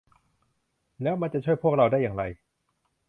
แล้วมันจะช่วยพวกเราได้อย่างไร